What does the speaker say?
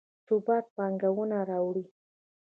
ثبات پانګونه راوړي